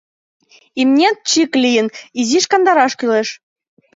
— Имнет чык лийын, изиш кандараш кӱлеш.